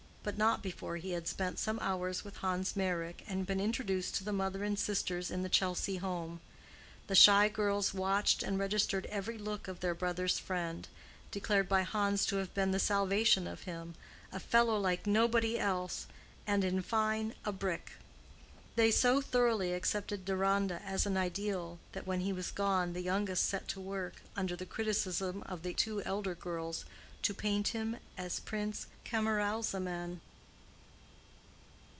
But not before he had spent some hours with Hans Meyrick, and been introduced to the mother and sisters in the Chelsea home. The shy girls watched and registered every look of their brother's friend, declared by Hans to have been the salvation of him, a fellow like nobody else, and, in fine, a brick. They so thoroughly accepted Deronda as an ideal, that when he was gone the youngest set to work, under the criticism of the two elder girls, to paint him as Prince Camaralzaman.